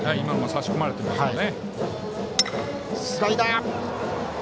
差し込まれていますね。